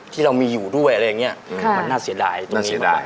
ที่เรามีอยู่ด้วยอะไรอย่างเงี้ยค่ะมันน่าเสียดายน่าเสียดาย